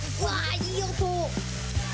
いい音。